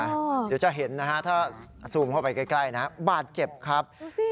เดี๋ยวจะเห็นนะฮะถ้าซูมเข้าไปใกล้นะบาดเจ็บครับ